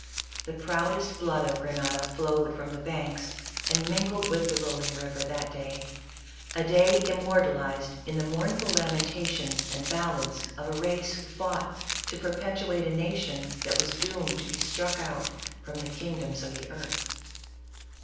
The proudest blood of Grenada flowed from the banks and mingled with the rolling river that day — a day immortalized in the mournful lamentations and ballads of a race who fought to perpetuate a nation that was doomed to be struck out from the kingdoms of the earth.